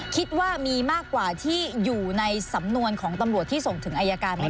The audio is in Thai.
คิดว่ามีมากกว่าที่อยู่ในสำนวนของตำรวจที่ส่งถึงอายการไหมค